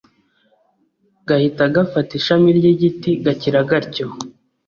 gahita gafata ishami ry'igiti, gakira gatyo